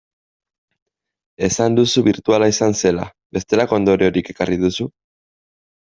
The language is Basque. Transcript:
Esan duzu birtuala izan zela, bestelako ondoriorik ekarri dizu?